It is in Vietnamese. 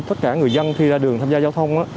tất cả người dân khi ra đường tham gia giao thông